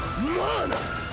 まあな！